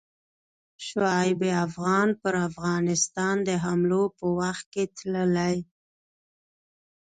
شعیب افغان پر افغانستان د حملو په وخت کې تللی.